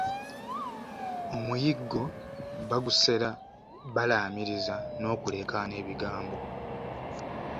Omuyiggo bagusera balaamiriza n'okuleekana ebigambo